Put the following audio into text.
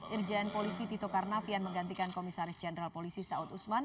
irjen polisi tito karnavian menggantikan komisaris jenderal polisi saud usman